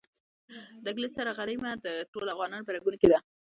د انګلیس سره غلیمي د ټولو افغانانو په رګونو کې ده.